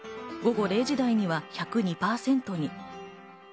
午後０時台には１０２％に。